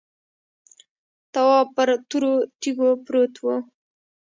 تواب پر تورو تیږو پروت و.